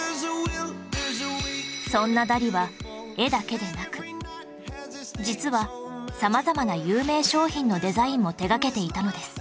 そんなダリは絵だけでなく実は様々な有名商品のデザインも手掛けていたのです